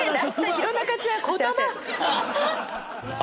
弘中ちゃん言葉！